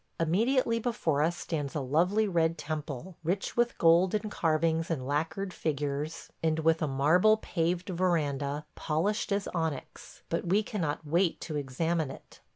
Immediately before us stands a lovely red temple, rich with gold and carvings and lacquered figures, and with a marble paved veranda polished as onyx; but we cannot wait to examine it.